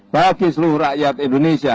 bagi seluruh rakyat indonesia